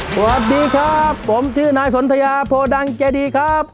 สวัสดีครับผมชื่อนายสนทยาโพดังเจดีครับ